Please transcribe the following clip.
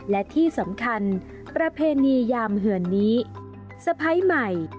และที่สำคัญประเพณียามเหือนนี้สะพ้ายใหม่